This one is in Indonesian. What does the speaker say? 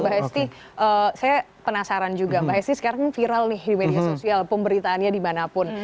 mbak hesti saya penasaran juga mbak hesti sekarang viral nih di media sosial pemberitaannya dimanapun